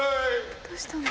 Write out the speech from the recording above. どうしたの？